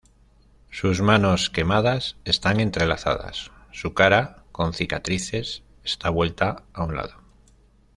Sus manos, quemadas, están entrelazadas; su cara, con cicatrices, está vuelta a un lado.